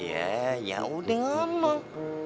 ya ya udah ngomong